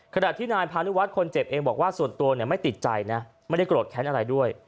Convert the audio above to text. ขณะที่นายพานุวัฒน์คนเจ็บเองบอกว่าส่วนตัวไม่ติดใจนะไม่ได้โกรธแค้นอะไรด้วย